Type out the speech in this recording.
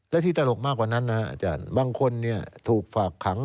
และที่ตลกมากกว่านั้นบางคนถูกฝากขัง